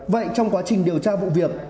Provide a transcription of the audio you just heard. vậy trong quá trình điều tra vụ việc